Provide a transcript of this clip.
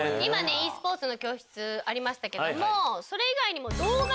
ｅスポーツの教室ありましたけどそれ以外にも。